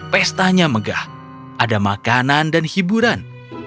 pestanya megah ada makanan dan hiburan